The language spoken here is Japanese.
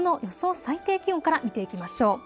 最低気温から見ていきましょう。